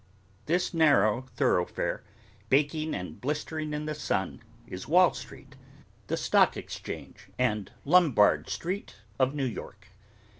This narrow thoroughfare, baking and blistering in the sun, is Wall Street: the Stock Exchange and Lombard Street of New York.